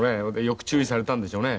よく注意されたんでしょうね。